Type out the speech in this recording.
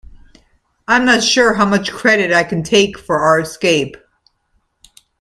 I'm not sure how much credit I can take for our escape.